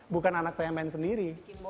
bukan anak saya main sendiri